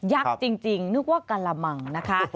ักษ์จริงนึกว่ากะละมังนะคะ